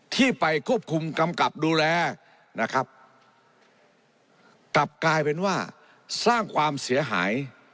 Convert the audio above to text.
ที่ไปควบคุมกำกับดูแลนะครับกลับกลายเป็นว่าสร้างความเสียหาย